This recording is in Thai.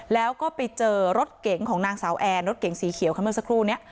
แล้วก็ไปเจอรถเก๋งของนางสาวแอนรถเก๋งสีเขียวค่ะเมื่อสักครู่นี้